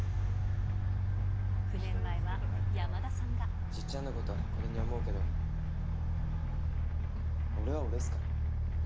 ９年前は山田さんが。じっちゃんのことは誇りに思うけど、俺は俺っすから。